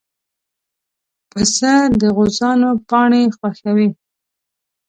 پسه د غوزانو پاڼې خوښوي.